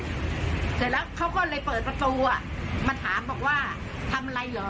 เสร็จแล้วเค้าก็เลยเปิดระตูมาถามว่าทำไรเหรอ